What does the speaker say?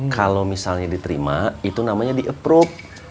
kalau misalnya diterima itu namanya di approach